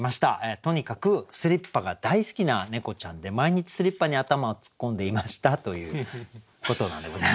とにかくスリッパが大好きな猫ちゃんで毎日スリッパに頭を突っ込んでいましたということなんでございます。